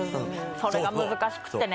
それが難しくてね